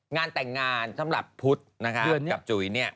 งานแต่งงานสำหรับพุทธนะคะกับจุ๋ยเนี่ย